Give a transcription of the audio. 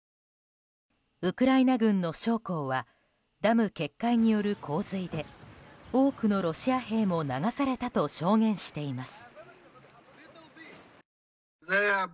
ウクライナ軍の将校はダム決壊による洪水で多くのロシア兵も流されたと証言しています。